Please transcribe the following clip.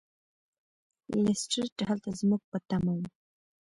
لیسټرډ هلته زموږ په تمه و.